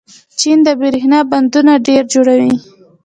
چین د برښنا بندونه ډېر جوړوي.